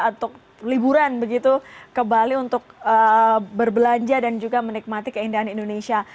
untuk liburan begitu ke bali untuk berbelanja dan juga menikmati keindahan indonesia